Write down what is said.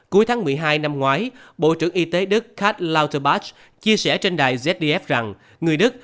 cuối tháng một mươi hai năm ngoái bộ trưởng y tế đức karl lauterbach chia sẻ trên đài zdf rằng người đức